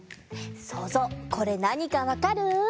そうぞうこれなにかわかる？